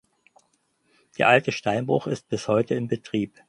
Der alte Steinbruch ist bis heute in Betrieb.